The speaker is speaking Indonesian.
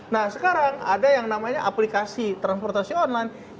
nah sekarang ada yang namanya aplikasi transportasi online